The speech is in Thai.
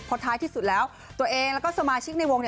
พอท้ายที่สุดแล้วตัวเองแล้วก็สมาชิกในวง